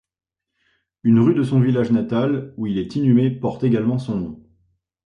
Une rue de son village natal où il est inhumé porte également son nom.